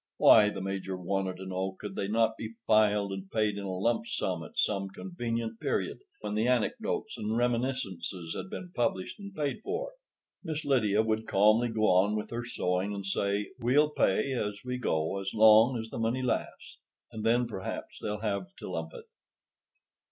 Why, the Major wanted to know, could they not be filed and paid in a lump sum at some convenient period—say when the Anecdotes and Reminiscences had been published and paid for? Miss Lydia would calmly go on with her sewing and say, "We'll pay as we go as long as the money lasts, and then perhaps they'll have to lump it."